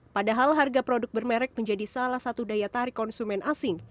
padahal harga produk bermerek menjadi salah satu daya tarik konsumen asing